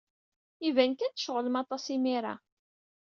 Iban kan tceɣlemt aṭas imir-a.